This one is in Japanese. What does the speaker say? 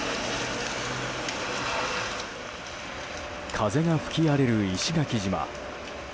風が吹き荒れる石垣島。